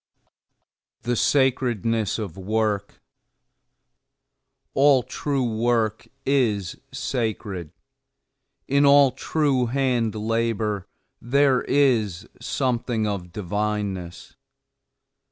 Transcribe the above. THE SACREDNESS OF WORK THOMAS CARLYLE All true work is sacred; in all true hand labor, there is something of divineness.